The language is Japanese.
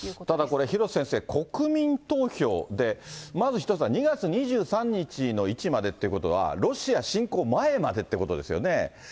ただこれ、廣瀬先生、国民投票で、まず１つは、２月２３日の位置までということは、ロシア侵攻前までっていうことですよね。